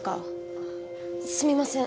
あすみません